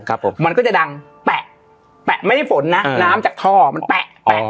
ครับผมมันก็จะดังแปะแปะไม่ได้ฝนนะน้ำจากท่อมันแปะแปะ